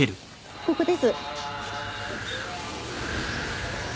ここです。